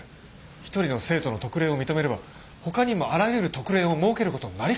一人の生徒の特例を認めればほかにもあらゆる特例を設ける事になりかねない。